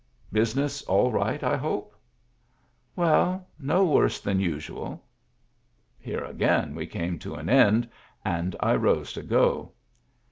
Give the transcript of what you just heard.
" Business all right, I hope ?"" Well, no worse than usual." Here again we came to an end, and I rose to go.